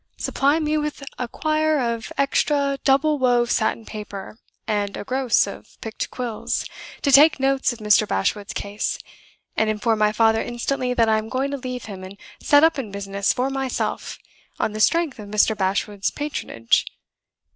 Supply me with a quire of extra double wove satin paper, and a gross of picked quills, to take notes of Mr. Bashwood's case; and inform my father instantly that I am going to leave him and set up in business for myself, on the strength of Mr. Bashwood's patronage.